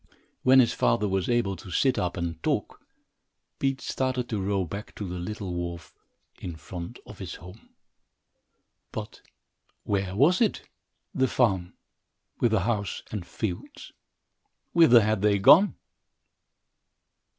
When his father was able to sit up and talk, Pete started to row back to the little wharf in front of his home. But where was it, the farm, with the house and fields? Whither had they gone?